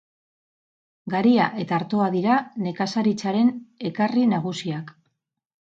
Garia eta artoa dira nekazaritzaren ekarri nagusiak.